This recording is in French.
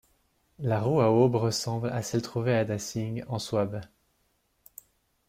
La roue à aubes ressemble à celle trouvée à Dasing en Souabe.